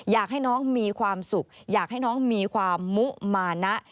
อยากให้น้องมีความสุขอยากให้น้องมีความมุมานะ